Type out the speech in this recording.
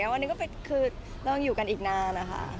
วันหนึ่งก็คือเราอยู่กันอีกนาน